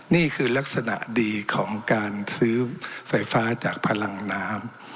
นี่คือลักษณะดีของการซื้อไฟฟ้าจากพลังน้ำ